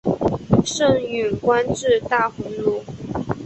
盛允官至大鸿胪。